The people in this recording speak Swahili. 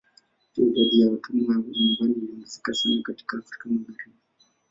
Pia idadi ya watumwa wa nyumbani iliongezeka sana katika Afrika Magharibi.